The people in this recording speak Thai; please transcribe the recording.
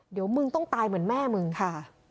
เดี๋ยวมึงต้องตายเหมือนแม่มึงค่ะ